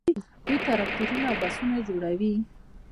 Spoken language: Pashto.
دوی ټراکټورونه او بسونه جوړوي.